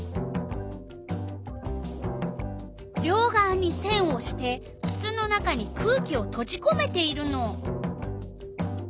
両がわにせんをしてつつの中に空気をとじこめているの。